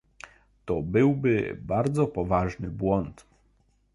To byłby bardzo poważny błąd